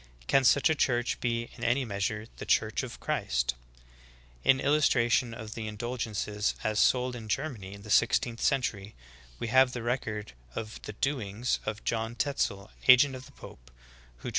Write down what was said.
Can such a Church be in any measure the Church of Christ? 17. In illustration of the indulgences as sold in Ger many in the sixteenth century, we have the record of the doings of John Tetzel, agent of the pope, who traveled t'Matt.